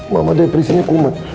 mama depresinya kumat